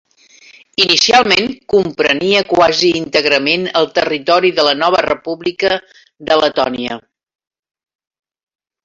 Inicialment comprenia quasi íntegrament el territori de la nova República de Letònia.